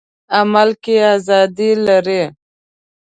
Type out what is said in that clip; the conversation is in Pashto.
عمل کې ازادي لري.